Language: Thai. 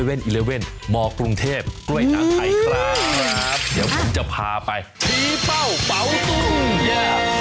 พี่เป้าเป๋าตุ้น